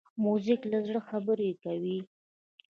موزیک له زړه خبرې کوي.